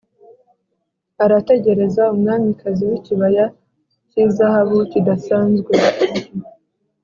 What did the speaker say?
arategereza, umwamikazi wikibaya cyizahabu kidasanzwe.